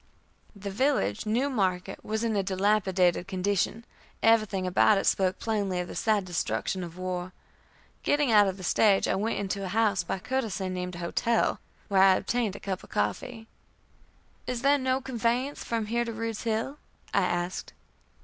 The village, New Market, was in a dilapidated condition; everything about it spoke plainly of the sad destruction of war. Getting out of the stage I went into a house, by courtesy named a hotel, where I obtained a cup of coffee. "Is there no conveyance from here to Rude's Hill?" I asked.